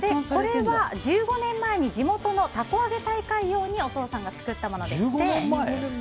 これは１５年前に地元のたこ揚げ大会用にお父さんが作ったものでして。